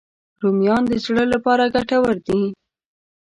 رومیان د زړه لپاره ګټور دي